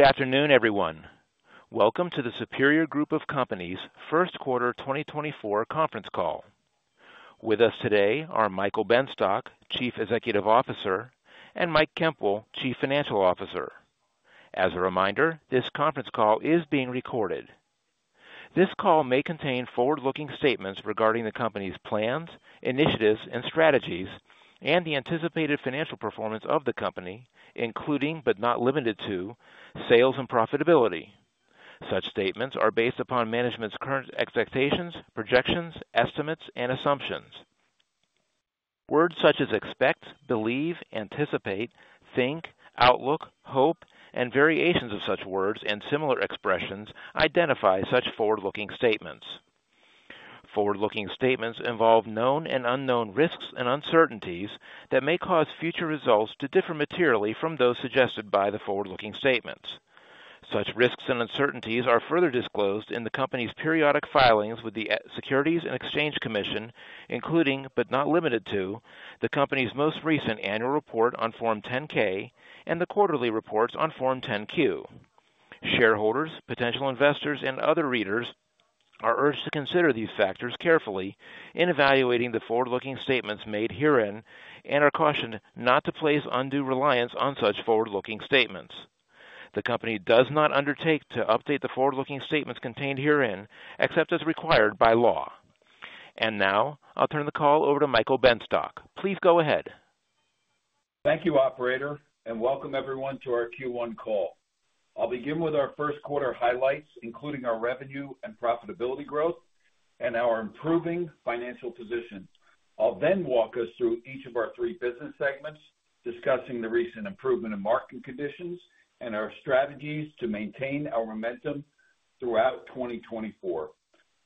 Good afternoon, everyone. Welcome to the Superior Group of Companies first quarter 2024 conference call. With us today are Michael Benstock, Chief Executive Officer, and Mike Koempel, Chief Financial Officer. As a reminder, this conference call is being recorded. This call may contain forward-looking statements regarding the company's plans, initiatives, and strategies, and the anticipated financial performance of the company, including but not limited to sales and profitability. Such statements are based upon management's current expectations, projections, estimates, and assumptions. Words such as expect, believe, anticipate, think, outlook, hope, and variations of such words and similar expressions identify such forward-looking statements. Forward-looking statements involve known and unknown risks and uncertainties that may cause future results to differ materially from those suggested by the forward-looking statements. Such risks and uncertainties are further disclosed in the company's periodic filings with the Securities and Exchange Commission, including but not limited to the company's most recent annual report on Form 10-K and the quarterly reports on Form 10-Q. Shareholders, potential investors, and other readers are urged to consider these factors carefully in evaluating the forward-looking statements made herein and are cautioned not to place undue reliance on such forward-looking statements. The company does not undertake to update the forward-looking statements contained herein except as required by law. Now I'll turn the call over to Michael Benstock. Please go ahead. Thank you, operator, and welcome everyone to our Q1 call. I'll begin with our first quarter highlights, including our revenue and profitability growth and our improving financial position. I'll then walk us through each of our three business segments, discussing the recent improvement in market conditions and our strategies to maintain our momentum throughout 2024.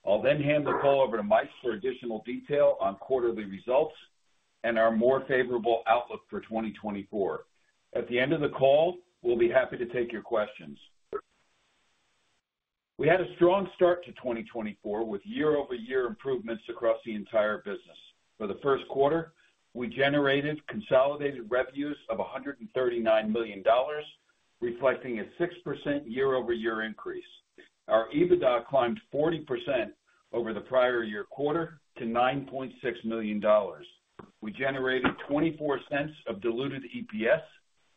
I'll then hand the call over to Mike for additional detail on quarterly results and our more favorable outlook for 2024. At the end of the call, we'll be happy to take your questions. We had a strong start to 2024 with year-over-year improvements across the entire business. For the first quarter, we generated consolidated revenues of $139 million, reflecting a 6% year-over-year increase. Our EBITDA climbed 40% over the prior year quarter to $9.6 million. We generated diluted EPS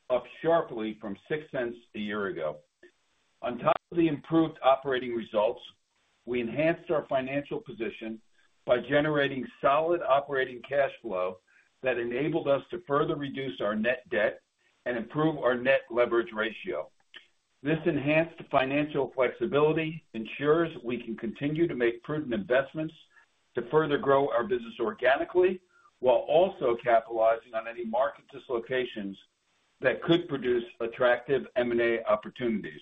of $0.24, up sharply from $0.06 a year ago. On top of the improved operating results, we enhanced our financial position by generating solid operating cash flow that enabled us to further reduce our net debt and improve our net leverage ratio. This enhanced financial flexibility ensures we can continue to make prudent investments to further grow our business organically while also capitalizing on any market dislocations that could produce attractive M&A opportunities.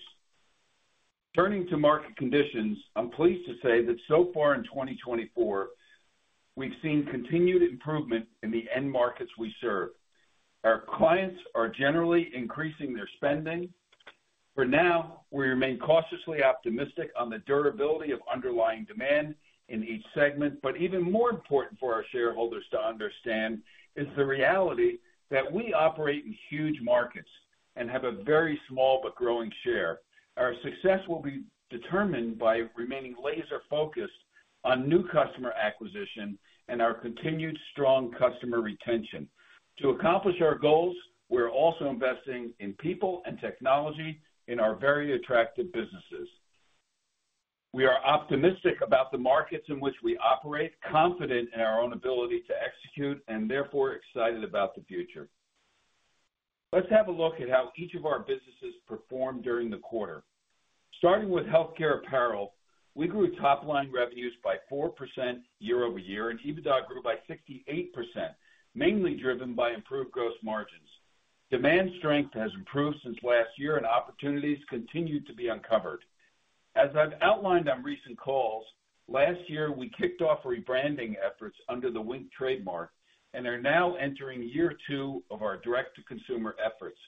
Turning to market conditions, I'm pleased to say that so far in 2024, we've seen continued improvement in the end markets we serve. Our clients are generally increasing their spending. For now, we remain cautiously optimistic on the durability of underlying demand in each segment. But even more important for our shareholders to understand is the reality that we operate in huge markets and have a very small but growing share. Our success will be determined by remaining laser-focused on new customer acquisition and our continued strong customer retention. To accomplish our goals, we're also investing in people and technology in our very attractive businesses. We are optimistic about the markets in which we operate, confident in our own ability to execute, and therefore excited about the future. Let's have a look at how each of our businesses performed during the quarter. Starting with healthcare apparel, we grew top-line revenues by 4% year-over-year, and EBITDA grew by 68%, mainly driven by improved gross margins. Demand strength has improved since last year, and opportunities continue to be uncovered. As I've outlined on recent calls, last year we kicked off rebranding efforts under the Wink trademark and are now entering year two of our direct-to-consumer efforts.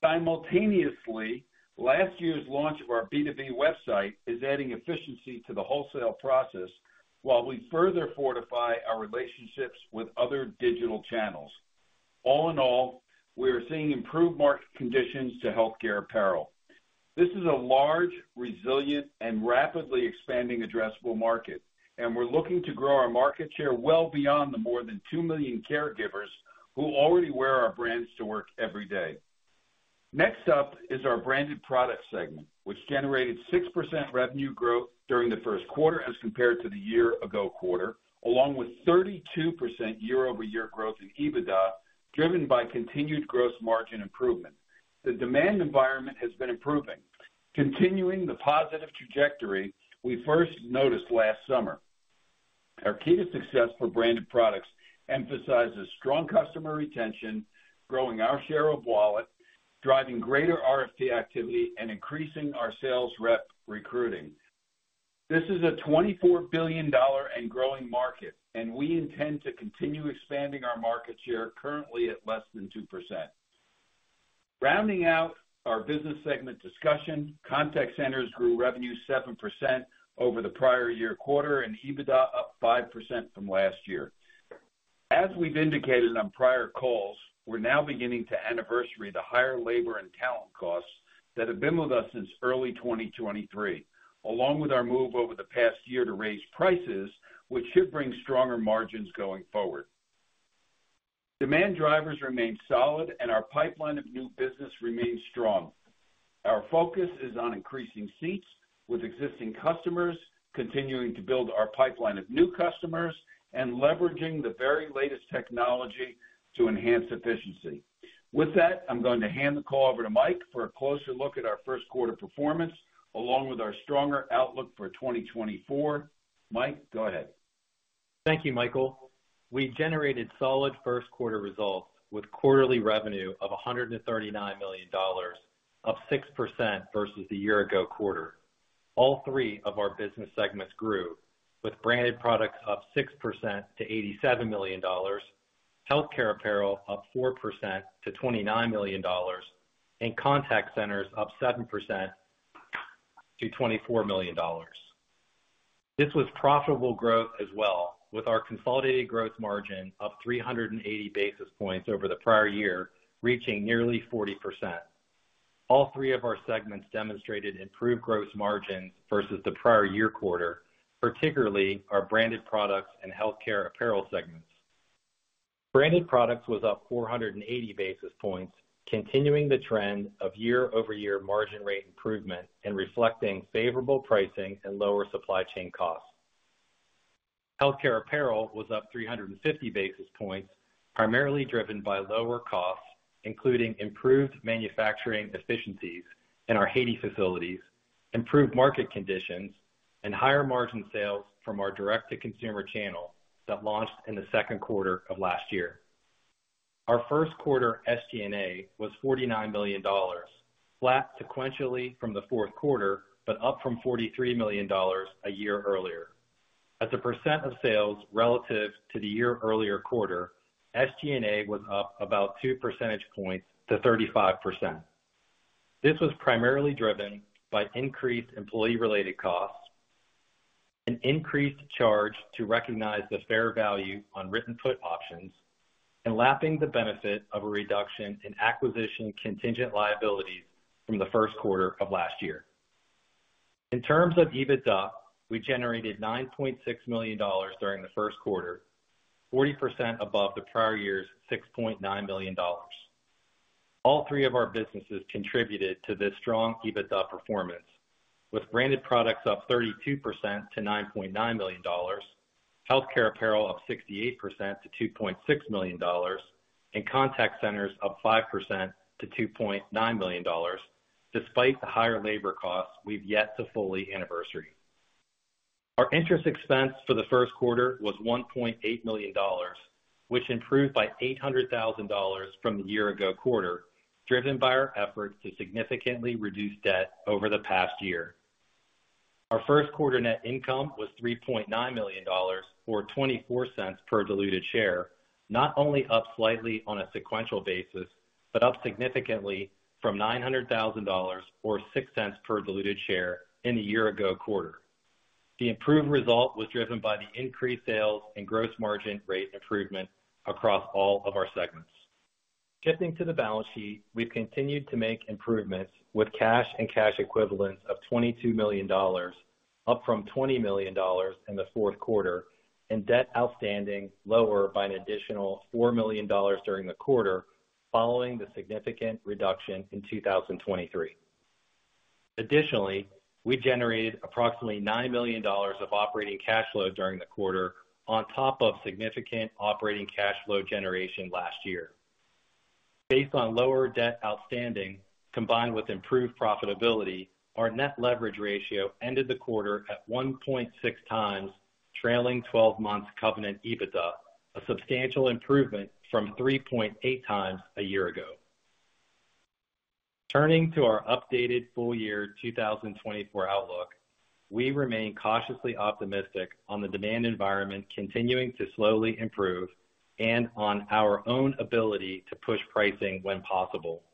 Simultaneously, last year's launch of our B2B website is adding efficiency to the wholesale process while we further fortify our relationships with other digital channels. All in all, we are seeing improved market conditions to healthcare apparel. This is a large, resilient, and rapidly expanding addressable market, and we're looking to grow our market share well beyond the more than 2 million caregivers who already wear our brands to work every day. Next up is our Branded Products segment, which generated 6% revenue growth during the first quarter as compared to the year-ago quarter, along with 32% year-over-year growth in EBITDA driven by continued gross margin improvement. The demand environment has been improving, continuing the positive trajectory we first noticed last summer. Our key to success for branded products emphasizes strong customer retention, growing our share of wallet, driving greater RFP activity, and increasing our sales rep recruiting. This is a $24 billion and growing market, and we intend to continue expanding our market share currently at less than 2%. Rounding out our business segment discussion, contact centers grew revenue 7% over the prior year quarter and EBITDA up 5% from last year. As we've indicated on prior calls, we're now beginning to anniversary the higher labor and talent costs that have been with us since early 2023, along with our move over the past year to raise prices, which should bring stronger margins going forward. Demand drivers remain solid, and our pipeline of new business remains strong. Our focus is on increasing seats with existing customers, continuing to build our pipeline of new customers, and leveraging the very latest technology to enhance efficiency. With that, I'm going to hand the call over to Mike for a closer look at our first quarter performance, along with our stronger outlook for 2024. Mike, go ahead. Thank you, Michael. We generated solid first quarter results with quarterly revenue of $139 million, up 6% versus the year-ago quarter. All three of our business segments grew, with branded products up 6% to $87 million, healthcare apparel up 4% to $29 million, and contact centers up 7% to $24 million. This was profitable growth as well, with our consolidated gross margin up 380 basis points over the prior year, reaching nearly 40%. All three of our segments demonstrated improved gross margins versus the prior year quarter, particularly our branded products and healthcare apparel segments. Branded products was up 480 basis points, continuing the trend of year-over-year margin rate improvement and reflecting favorable pricing and lower supply chain costs. Healthcare apparel was up 350 basis points, primarily driven by lower costs, including improved manufacturing efficiencies in our Haiti facilities, improved market conditions, and higher margin sales from our direct-to-consumer channel that launched in the second quarter of last year. Our first quarter SG&A was $49 million, flat sequentially from the fourth quarter but up from $43 million a year earlier. As a percent of sales relative to the year earlier quarter, SG&A was up about two percentage points to 35%. This was primarily driven by increased employee-related costs, an increased charge to recognize the fair value on written put options, and lapping the benefit of a reduction in acquisition contingent liabilities from the first quarter of last year. In terms of EBITDA, we generated $9.6 million during the first quarter, 40% above the prior year's $6.9 million. All three of our businesses contributed to this strong EBITDA performance, with branded products up 32% to $9.9 million, healthcare apparel up 68% to $2.6 million, and contact centers up 5% to $2.9 million, despite the higher labor costs we've yet to fully anniversary. Our interest expense for the first quarter was $1.8 million, which improved by $800,000 from the year-ago quarter, driven by our efforts to significantly reduce debt over the past year. Our first quarter net income was $3.9 million or $0.24 per diluted share, not only up slightly on a sequential basis but up significantly from $900,000 or $0.06 per diluted share in the year-ago quarter. The improved result was driven by the increased sales and gross margin rate improvement across all of our segments. Shifting to the balance sheet, we've continued to make improvements with cash and cash equivalents of $22 million, up from $20 million in the fourth quarter, and debt outstanding lower by an additional $4 million during the quarter following the significant reduction in 2023. Additionally, we generated approximately $9 million of operating cash flow during the quarter on top of significant operating cash flow generation last year. Based on lower debt outstanding combined with improved profitability, our net leverage ratio ended the quarter at 1.6 times trailing 12-month covenant EBITDA, a substantial improvement from 3.8 times a year ago. Turning to our updated full-year 2024 outlook, we remain cautiously optimistic on the demand environment continuing to slowly improve and on our own ability to push pricing when possible.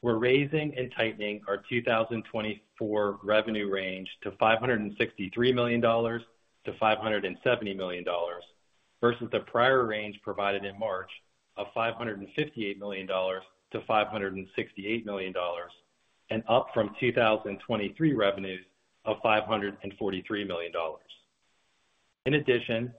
We're raising and tightening our 2024 revenue range to $563 million-$570 million versus the prior range provided in March of $558 million-$568 million, and up from 2023 revenues of $543 million. In addition,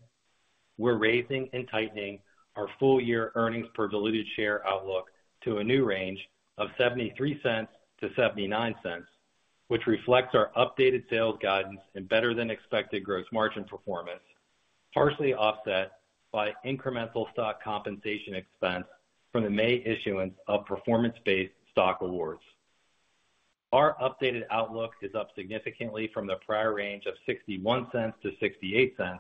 we're raising and tightening our full-year earnings per diluted share outlook to a new range of $0.73-$0.79, which reflects our updated sales guidance and better-than-expected gross margin performance, partially offset by incremental stock compensation expense from the May issuance of performance-based stock awards. Our updated outlook is up significantly from the prior range of $0.61-$0.68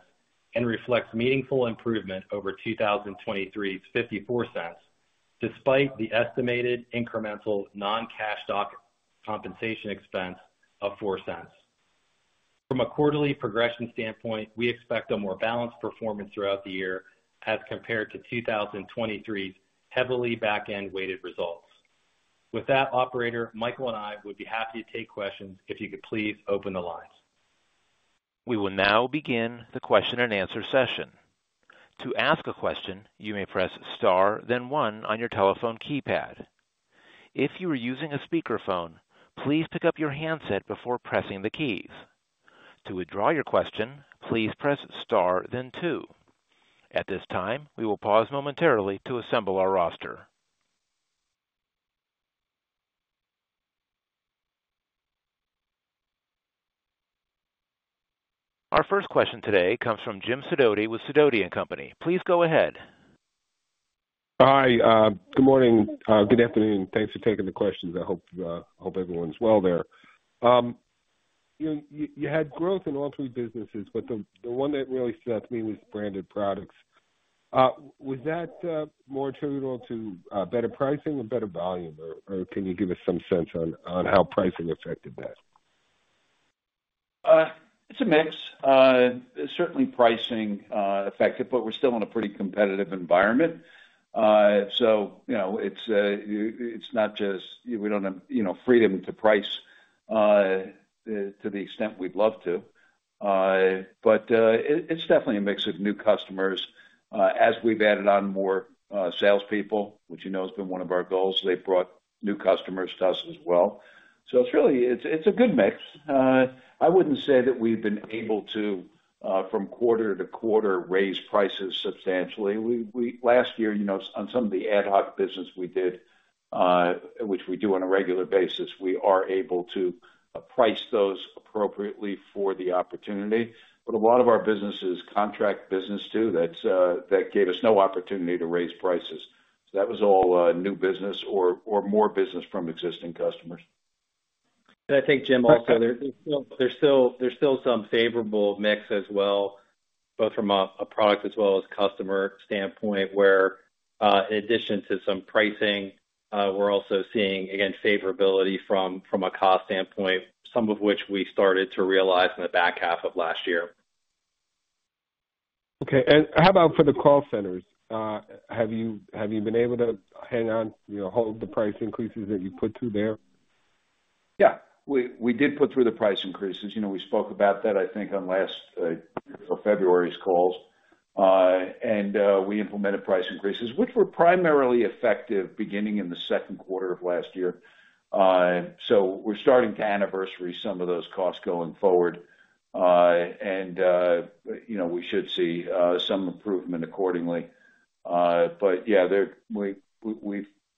and reflects meaningful improvement over 2023's $0.54, despite the estimated incremental non-cash stock compensation expense of $0.04. From a quarterly progression standpoint, we expect a more balanced performance throughout the year as compared to 2023's heavily backend-weighted results. With that, operator, Michael and I would be happy to take questions if you could please open the lines. We will now begin the question-and-answer session. To ask a question, you may press star then one on your telephone keypad. If you are using a speakerphone, please pick up your handset before pressing the keys. To withdraw your question, please press star then two. At this time, we will pause momentarily to assemble our roster. Our first question today comes from Jim Sidoti with Sidoti & Company. Please go ahead. Hi. Good morning. Good afternoon. Thanks for taking the questions. I hope everyone's well there. You had growth in all three businesses, but the one that really struck me was branded products. Was that more attributable to better pricing or better volume, or can you give us some sense on how pricing affected that? It's a mix. Certainly, pricing affected, but we're still in a pretty competitive environment. So it's not just we don't have freedom to price to the extent we'd love to. But it's definitely a mix of new customers. As we've added on more salespeople, which has been one of our goals, they've brought new customers to us as well. So it's a good mix. I wouldn't say that we've been able to, from quarter to quarter, raise prices substantially. Last year, on some of the ad hoc business we did, which we do on a regular basis, we are able to price those appropriately for the opportunity. But a lot of our business is contract business, too. That gave us no opportunity to raise prices. So that was all new business or more business from existing customers. I think, Jim, also, there's still some favorable mix as well, both from a product as well as customer standpoint, where in addition to some pricing, we're also seeing, again, favorability from a cost standpoint, some of which we started to realize in the back half of last year. Okay. And how about for the call centers? Have you been able to hang on, hold the price increases that you put through there? Yeah. We did put through the price increases. We spoke about that, I think, on February's calls. We implemented price increases, which were primarily effective beginning in the second quarter of last year. We're starting to anniversary some of those costs going forward, and we should see some improvement accordingly. But yeah,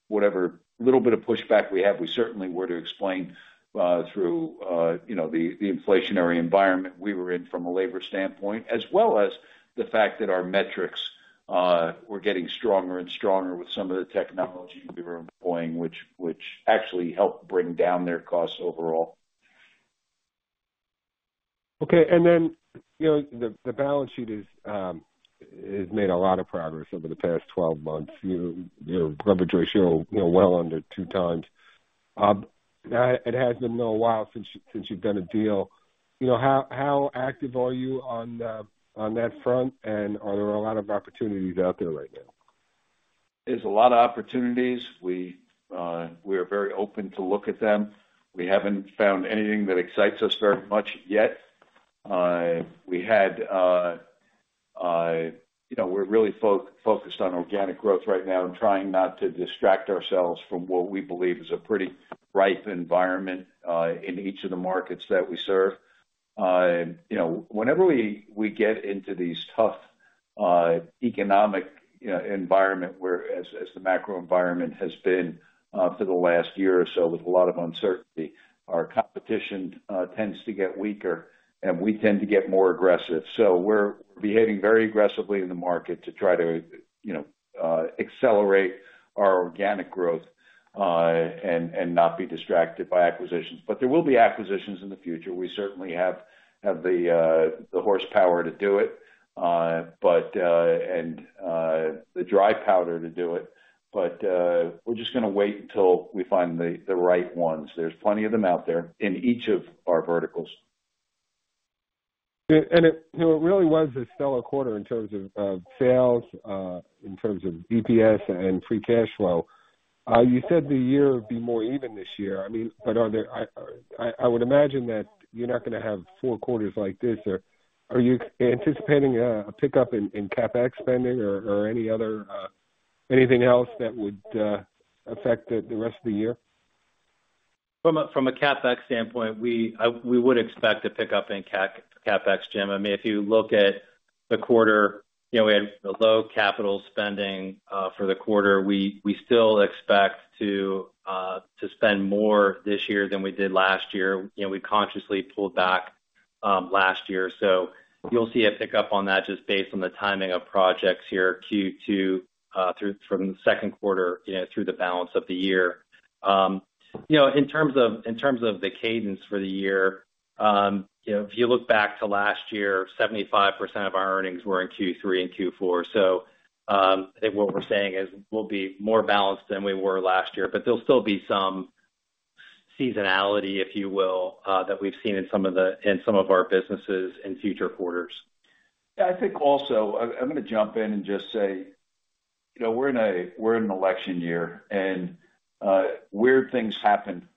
whatever little bit of pushback we have, we certainly were to explain through the inflationary environment we were in from a labor standpoint, as well as the fact that our metrics were getting stronger and stronger with some of the technology we were employing, which actually helped bring down their costs overall. Okay. And then the balance sheet has made a lot of progress over the past 12 months. Your leverage ratio, well under two times. It has been a while since you've done a deal. How active are you on that front, and are there a lot of opportunities out there right now? There's a lot of opportunities. We are very open to look at them. We haven't found anything that excites us very much yet. We're really focused on organic growth right now and trying not to distract ourselves from what we believe is a pretty ripe environment in each of the markets that we serve. Whenever we get into these tough economic environments, as the macro environment has been for the last year or so with a lot of uncertainty, our competition tends to get weaker, and we tend to get more aggressive. So we're behaving very aggressively in the market to try to accelerate our organic growth and not be distracted by acquisitions. But there will be acquisitions in the future. We certainly have the horsepower to do it and the dry powder to do it. But we're just going to wait until we find the right ones. There's plenty of them out there in each of our verticals. It really was a stellar quarter in terms of sales, in terms of EPS and free cash flow. You said the year would be more even this year, but I would imagine that you're not going to have four quarters like this. Are you anticipating a pickup in CapEx spending or anything else that would affect the rest of the year? From a CapEx standpoint, we would expect a pickup in CapEx, Jim. I mean, if you look at the quarter, we had low capital spending for the quarter. We still expect to spend more this year than we did last year. We consciously pulled back last year. So you'll see a pickup on that just based on the timing of projects here Q2 from the second quarter through the balance of the year. In terms of the cadence for the year, if you look back to last year, 75% of our earnings were in Q3 and Q4. So I think what we're saying is we'll be more balanced than we were last year. But there'll still be some seasonality, if you will, that we've seen in some of our businesses in future quarters. Yeah. I think also, I'm going to jump in and just say we're in an election year, and weird things happen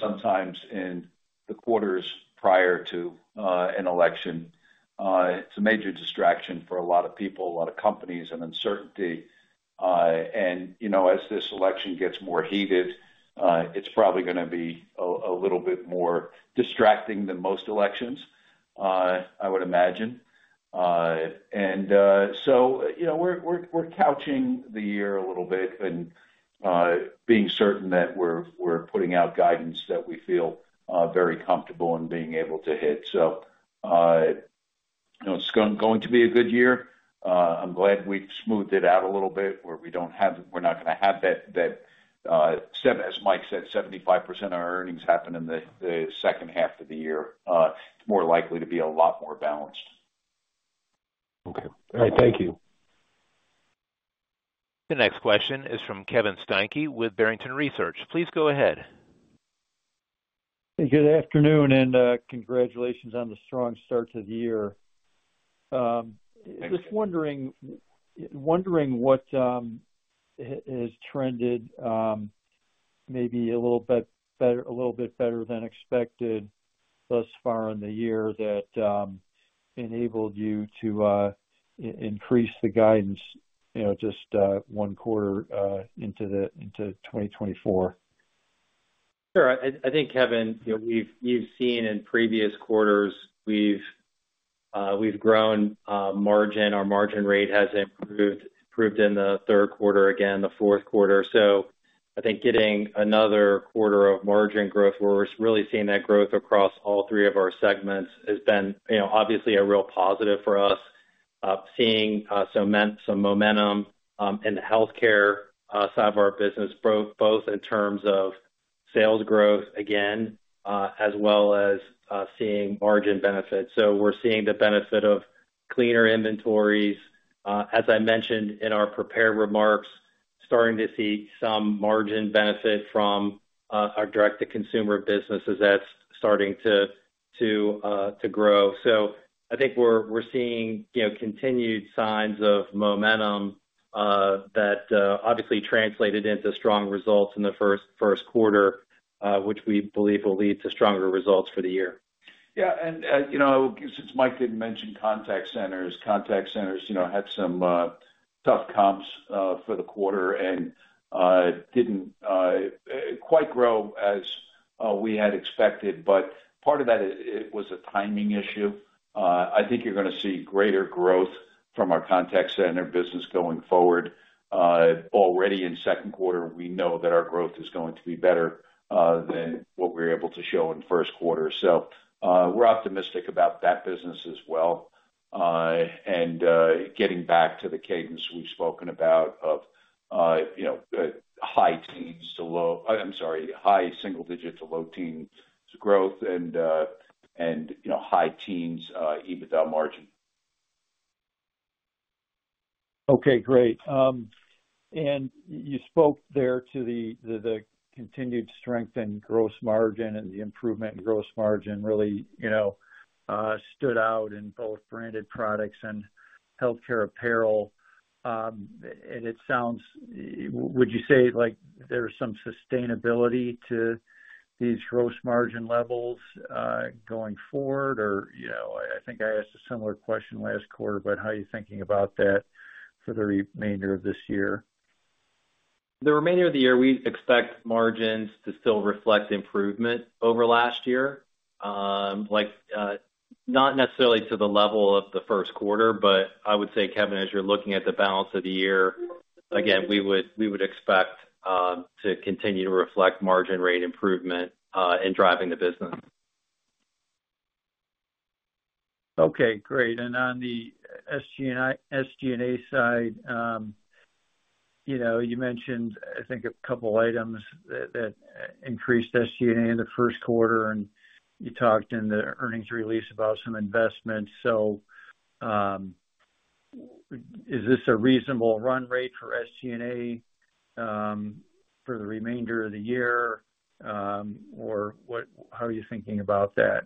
sometimes in the quarters prior to an election. It's a major distraction for a lot of people, a lot of companies, and uncertainty. And as this election gets more heated, it's probably going to be a little bit more distracting than most elections, I would imagine. And so we're couching the year a little bit and being certain that we're putting out guidance that we feel very comfortable in being able to hit. So it's going to be a good year. I'm glad we've smoothed it out a little bit where we're not going to have that as Mike said, 75% of our earnings happen in the second half of the year. It's more likely to be a lot more balanced. Okay. All right. Thank you. The next question is from Kevin Steinke with Barrington Research. Please go ahead. Hey, good afternoon, and congratulations on the strong start to the year. Just wondering what has trended maybe a little bit better than expected thus far in the year that enabled you to increase the guidance just one quarter into 2024? Sure. I think, Kevin, you've seen in previous quarters, we've grown margin. Our margin rate has improved in the third quarter, again, the fourth quarter. So I think getting another quarter of margin growth where we're really seeing that growth across all three of our segments has been obviously a real positive for us, seeing some momentum in the healthcare side of our business, both in terms of sales growth, again, as well as seeing margin benefits. So we're seeing the benefit of cleaner inventories. As I mentioned in our prepared remarks, starting to see some margin benefit from our direct-to-consumer businesses that's starting to grow. So I think we're seeing continued signs of momentum that obviously translated into strong results in the first quarter, which we believe will lead to stronger results for the year. Yeah. Since Mike didn't mention contact centers, contact centers had some tough comps for the quarter and didn't quite grow as we had expected. Part of that was a timing issue. I think you're going to see greater growth from our contact center business going forward. Already in second quarter, we know that our growth is going to be better than what we were able to show in first quarter. We're optimistic about that business as well and getting back to the cadence we've spoken about of high teens to low I'm sorry, high single-digit to low teens growth and high teens EBITDA margin. Okay. Great. You spoke there to the continued strength in gross margin, and the improvement in gross margin really stood out in both branded products and healthcare apparel. It sounds, would you say, there's some sustainability to these gross margin levels going forward? Or, I think I asked a similar question last quarter about how you're thinking about that for the remainder of this year. The remainder of the year, we expect margins to still reflect improvement over last year, not necessarily to the level of the first quarter. But I would say, Kevin, as you're looking at the balance of the year, again, we would expect to continue to reflect margin rate improvement in driving the business. Okay. Great. And on the SG&A side, you mentioned, I think, a couple of items that increased SG&A in the first quarter, and you talked in the earnings release about some investments. So is this a reasonable run rate for SG&A for the remainder of the year, or how are you thinking about that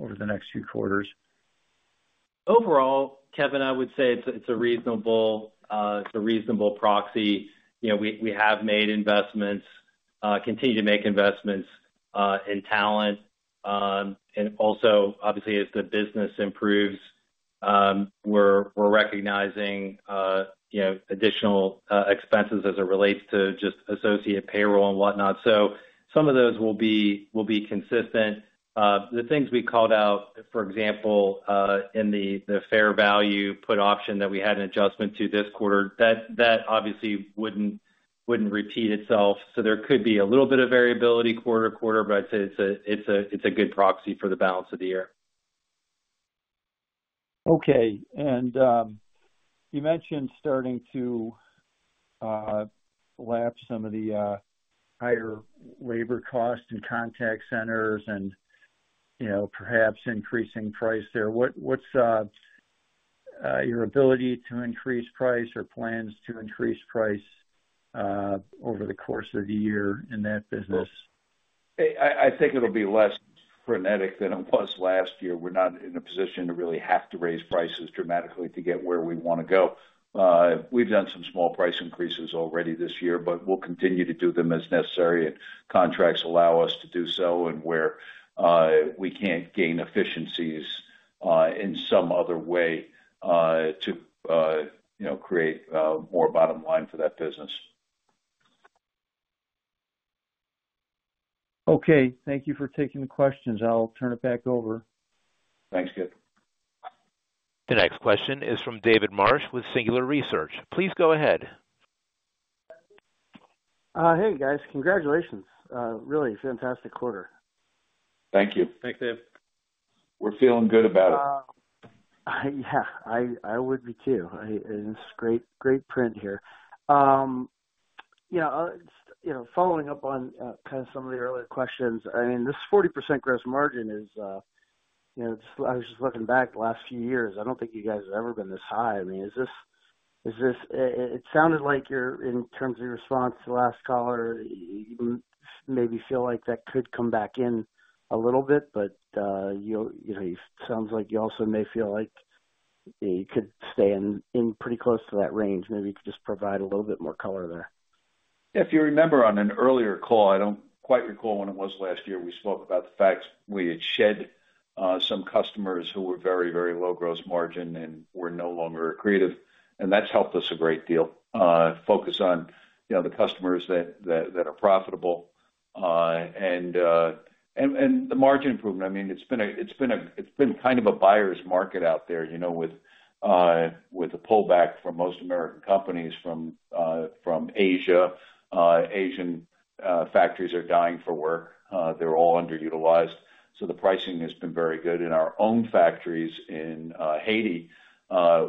over the next few quarters? Overall, Kevin, I would say it's a reasonable proxy. We have made investments, continue to make investments in talent. And also, obviously, as the business improves, we're recognizing additional expenses as it relates to just associate payroll and whatnot. So some of those will be consistent. The things we called out, for example, in the fair value put option that we had an adjustment to this quarter, that obviously wouldn't repeat itself. So there could be a little bit of variability quarter to quarter, but I'd say it's a good proxy for the balance of the year. Okay. You mentioned starting to lapse some of the higher labor costs in contact centers and perhaps increasing price there. What's your ability to increase price or plans to increase price over the course of the year in that business? I think it'll be less frenetic than it was last year. We're not in a position to really have to raise prices dramatically to get where we want to go. We've done some small price increases already this year, but we'll continue to do them as necessary, and contracts allow us to do so and where we can't gain efficiencies in some other way to create more bottom line for that business. Okay. Thank you for taking the questions. I'll turn it back over. Thanks, Kevin. The next question is from David Marsh with Singular Research. Please go ahead. Hey, guys. Congratulations. Really fantastic quarter. Thank you. Thanks, Dave. We're feeling good about it. Yeah. I would be, too. And it's great print here. Following up on kind of some of the earlier questions, I mean, this 40% gross margin. I was just looking back the last few years. I don't think you guys have ever been this high. I mean, is this? It sounded like you're in terms of your response to the last caller, you maybe feel like that could come back in a little bit, but it sounds like you also may feel like you could stay in pretty close to that range. Maybe you could just provide a little bit more color there. If you remember on an earlier call, I don't quite recall when it was last year, we spoke about the fact we had shed some customers who were very, very low gross margin and were no longer accretive. That's helped us a great deal, focus on the customers that are profitable and the margin improvement. I mean, it's been kind of a buyer's market out there with a pullback from most American companies from Asia. Asian factories are dying for work. They're all underutilized. The pricing has been very good. In our own factories in Haiti,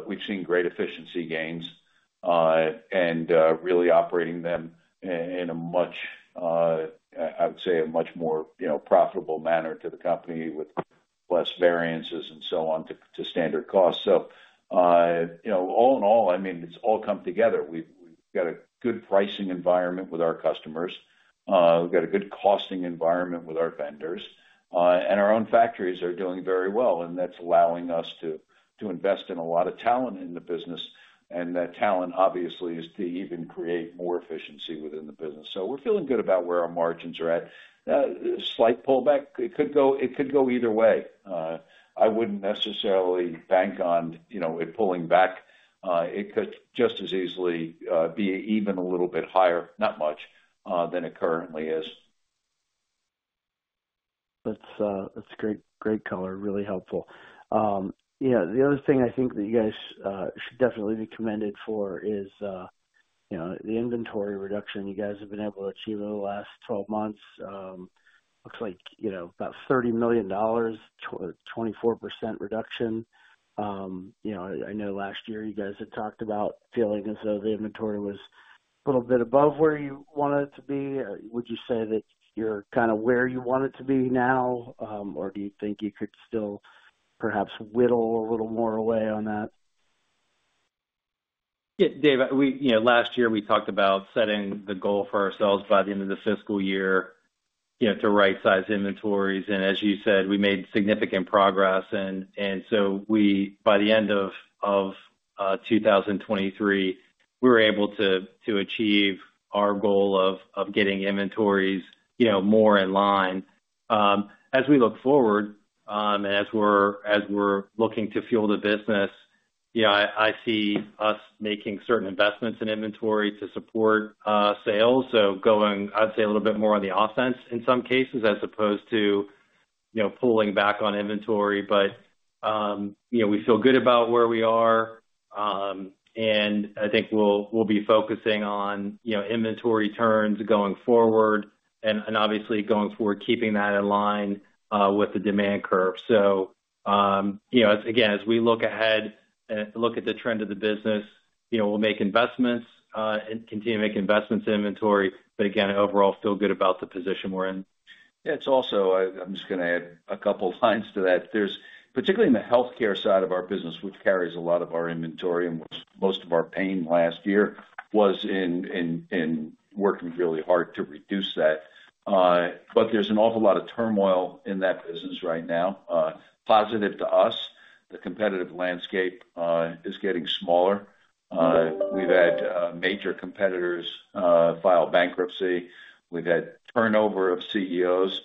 we've seen great efficiency gains and really operating them in a much, I would say, a much more profitable manner to the company with less variances and so on to standard costs. All in all, I mean, it's all come together. We've got a good pricing environment with our customers. We've got a good costing environment with our vendors. Our own factories are doing very well, and that's allowing us to invest in a lot of talent in the business. That talent, obviously, is to even create more efficiency within the business. We're feeling good about where our margins are at. Slight pullback, it could go either way. I wouldn't necessarily bank on it pulling back. It could just as easily be even a little bit higher, not much, than it currently is. That's great color, really helpful. Yeah. The other thing I think that you guys should definitely be commended for is the inventory reduction you guys have been able to achieve in the last 12 months. Looks like about $30 million, 24% reduction. I know last year, you guys had talked about feeling as though the inventory was a little bit above where you wanted it to be. Would you say that you're kind of where you want it to be now, or do you think you could still perhaps whittle a little more away on that? Yeah, Dave. Last year, we talked about setting the goal for ourselves by the end of the fiscal year to right-size inventories. And as you said, we made significant progress. And so by the end of 2023, we were able to achieve our goal of getting inventories more in line. As we look forward and as we're looking to fuel the business, I see us making certain investments in inventory to support sales. So going, I'd say, a little bit more on the offense in some cases as opposed to pulling back on inventory. But we feel good about where we are, and I think we'll be focusing on inventory turns going forward and obviously going forward, keeping that in line with the demand curve. So again, as we look ahead and look at the trend of the business, we'll make investments and continue to make investments in inventory. But again, overall, feel good about the position we're in. Yeah. It's also. I'm just going to add a couple of lines to that. Particularly in the healthcare side of our business, which carries a lot of our inventory, and most of our pain last year was in working really hard to reduce that. But there's an awful lot of turmoil in that business right now. Positive to us, the competitive landscape is getting smaller. We've had major competitors file bankruptcy. We've had turnover of CEOs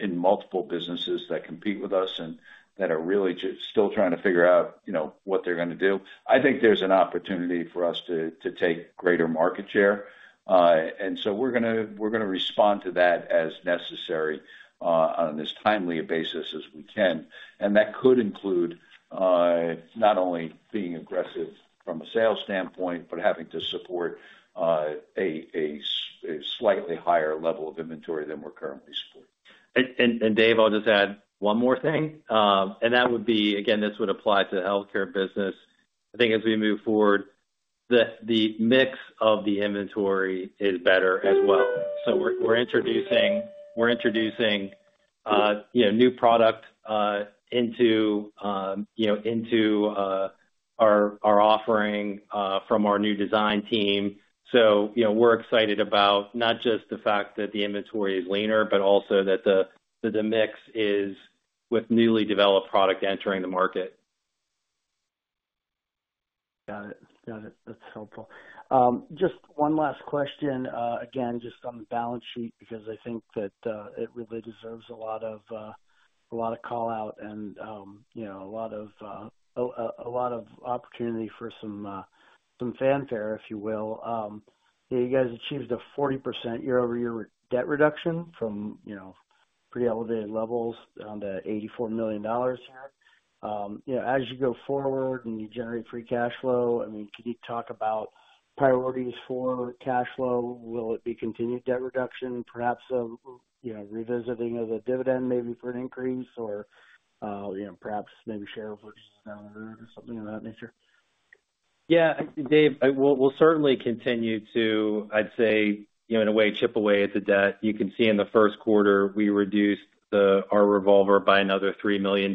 in multiple businesses that compete with us and that are really still trying to figure out what they're going to do. I think there's an opportunity for us to take greater market share. And so we're going to respond to that as necessary on as timely a basis as we can. That could include not only being aggressive from a sales standpoint but having to support a slightly higher level of inventory than we're currently supporting. And Dave, I'll just add one more thing. That would be again, this would apply to the healthcare business. I think as we move forward, the mix of the inventory is better as well. So we're introducing new product into our offering from our new design team. So we're excited about not just the fact that the inventory is leaner but also that the mix is with newly developed product entering the market. Got it. Got it. That's helpful. Just one last question, again, just on the balance sheet because I think that it really deserves a lot of callout and a lot of opportunity for some fanfare, if you will. You guys achieved a 40% year-over-year debt reduction from pretty elevated levels down to $84 million here. As you go forward and you generate free cash flow, I mean, can you talk about priorities for cash flow? Will it be continued debt reduction, perhaps a revisiting of the dividend maybe for an increase, or perhaps maybe shareholders down the road or something of that nature? Yeah, Dave, we'll certainly continue to, I'd say, in a way, chip away at the debt. You can see in the first quarter, we reduced our revolver by another $3 million.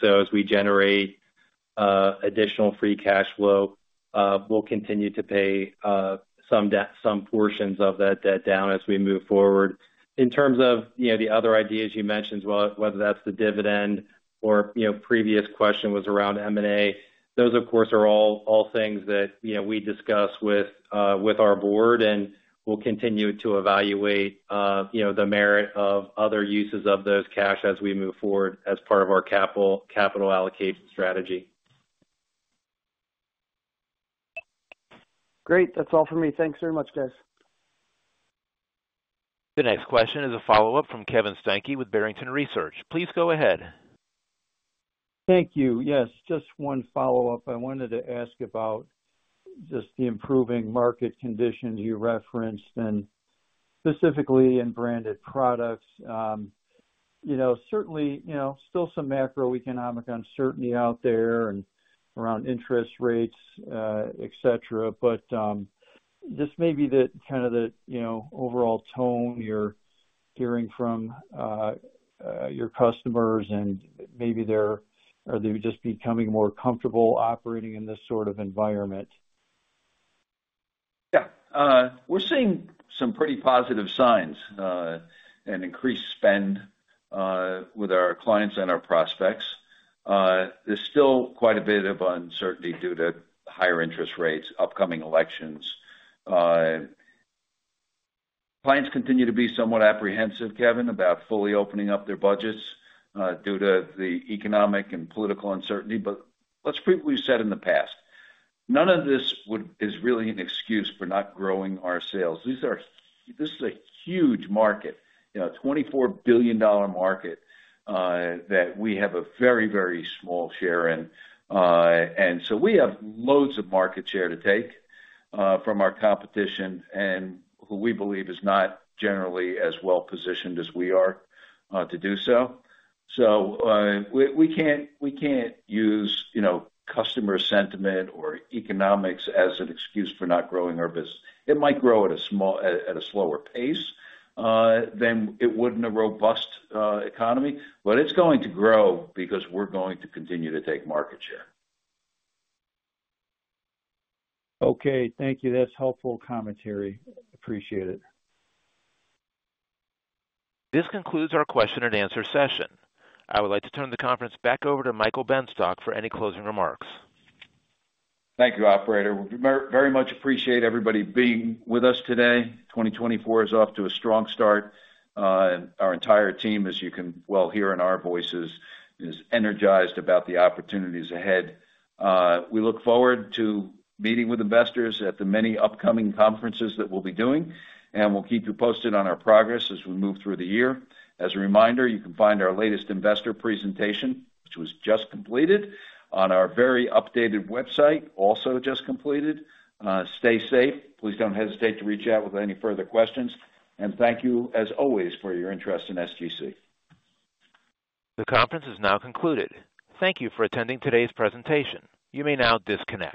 So as we generate additional free cash flow, we'll continue to pay some portions of that debt down as we move forward. In terms of the other ideas you mentioned, whether that's the dividend or previous question was around M&A, those, of course, are all things that we discuss with our board, and we'll continue to evaluate the merit of other uses of those cash as we move forward as part of our capital allocation strategy. Great. That's all for me. Thanks very much, guys. The next question is a follow-up from Kevin Steinke with Barrington Research. Please go ahead. Thank you. Yes, just one follow-up. I wanted to ask about just the improving market conditions you referenced and specifically in branded products. Certainly, still some macroeconomic uncertainty out there around interest rates, etc. But this may be kind of the overall tone you're hearing from your customers, and maybe they're just becoming more comfortable operating in this sort of environment. Yeah. We're seeing some pretty positive signs and increased spend with our clients and our prospects. There's still quite a bit of uncertainty due to higher interest rates, upcoming elections. Clients continue to be somewhat apprehensive, Kevin, about fully opening up their budgets due to the economic and political uncertainty. But let's repeat what we've said in the past. None of this is really an excuse for not growing our sales. This is a huge market, a $24 billion market that we have a very, very small share in. And so we have loads of market share to take from our competition and who we believe is not generally as well-positioned as we are to do so. So we can't use customer sentiment or economics as an excuse for not growing our business. It might grow at a slower pace than it would in a robust economy, but it's going to grow because we're going to continue to take market share. Okay. Thank you. That's helpful commentary. Appreciate it. This concludes our question and answer session. I would like to turn the conference back over to Michael Benstock for any closing remarks. Thank you, operator. We very much appreciate everybody being with us today. 2024 is off to a strong start. Our entire team, as you can well hear in our voices, is energized about the opportunities ahead. We look forward to meeting with investors at the many upcoming conferences that we'll be doing, and we'll keep you posted on our progress as we move through the year. As a reminder, you can find our latest investor presentation, which was just completed, on our very updated website, also just completed. Stay safe. Please don't hesitate to reach out with any further questions. Thank you, as always, for your interest in SGC. The conference is now concluded. Thank you for attending today's presentation. You may now disconnect.